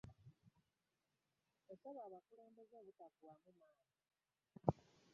Yabasaba abakulembeze obutagwaamu maanyi.